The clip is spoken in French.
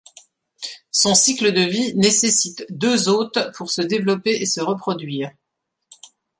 Son cycle de vie nécessite deux hôtes pour se développer et se reproduire.